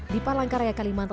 di palangkaraya kalimantan